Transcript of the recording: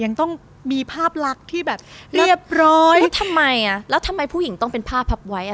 ยังต้องมีภาพลักษณ์ที่แบบเรียบร้อยทำไมอ่ะแล้วทำไมผู้หญิงต้องเป็นภาพพับไว้อ่ะ